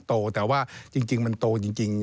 โตแต่ว่าจริงมันโตจริง